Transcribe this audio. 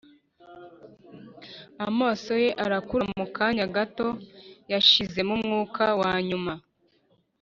amaso ye arakura mu kanya gato; yashizemo umwuka wanyuma,